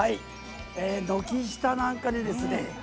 軒下なんかでですね